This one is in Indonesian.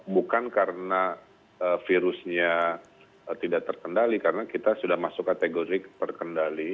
bukan karena virusnya tidak terkendali karena kita sudah masuk kategori terkendali